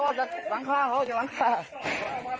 ห่วงข้าว